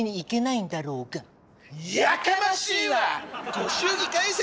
ご祝儀返せ！